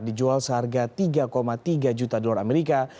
dijual seharga tiga tiga juta dolar amerika